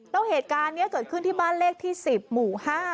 แล้วเหตุการณ์นี้เกิดขึ้นที่บ้านเลขที่๑๐หมู่๕